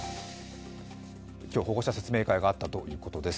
今日、保護者説明会があったということです